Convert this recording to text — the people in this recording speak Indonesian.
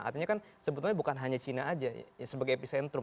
artinya kan sebetulnya bukan hanya cina aja sebagai epicentrum